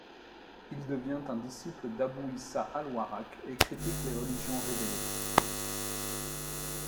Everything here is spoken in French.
Il devient un disciple d'Abū ʿIsā al-Warrāq et critique les religions révélées.